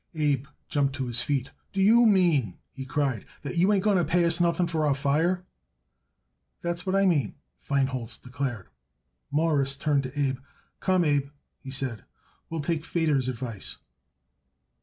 Abe jumped to his feet. "Do you mean," he cried, "that you ain't going to pay us nothing for our fire?" "That's what I mean," Feinholz declared. Morris turned to Abe. "Come, Abe," he said, "we'll take Feder's advice."